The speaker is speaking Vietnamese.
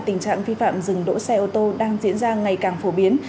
tình trạng vi phạm dừng đỗ xe ô tô đang diễn ra ngày càng phổ biến